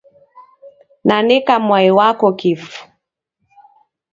Naneka mwai wako kifu.